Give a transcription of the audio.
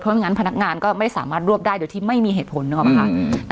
เพราะฉะนั้นพนักงานก็ไม่สามารถรวบได้โดยที่ไม่มีเหตุผลนึกออกป่ะคะ